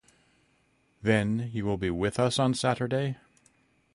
Then you will be with us on Saturday?